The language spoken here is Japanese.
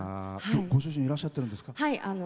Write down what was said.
ご主人いらっしゃってるんですか？